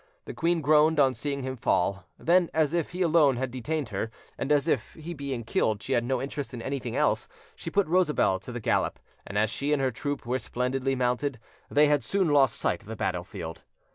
The queen groaned on seeing him fall; then, as if he alone had detained her, and as if he being killed she had no interest in anything else, she put Rosabelle to the gallop, and as she and her troop were splendidly mounted, they had soon lost sight of the battlefield.